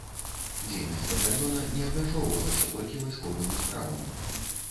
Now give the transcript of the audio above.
Дзейнасць батальёна не абмяжоўвалася толькі вайсковымі справамі.